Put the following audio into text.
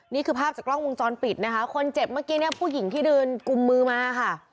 นี่คือภาพจากกล้องวงจรปิดนะคะคนเจ็บเมื่อกี้เนี่ยผู้หญิงที่เดินกุมมือมาค่ะ